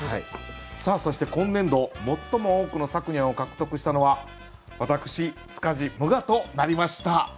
そして今年度最も多くのさくにゃんを獲得したのは私塚地武雅となりました。